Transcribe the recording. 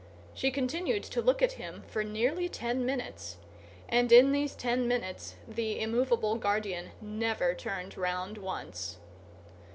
She continued to look at him for nearly ten minutes, and in these ten minutes the immovable guardian never turned round once.